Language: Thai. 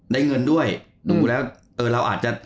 ได้เงินด้วยดูแล้วเออเราอาจจะ